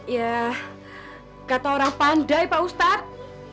ya kata orang pandai pak ustadz